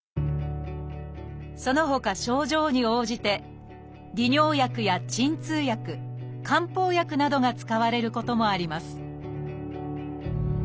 そのほか症状に応じて利尿薬や鎮痛薬漢方薬などが使われることもあります